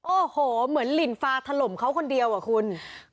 โอ้โหเหมือนหลินฟาถล่มเขาคนเดียวอ่ะคุณ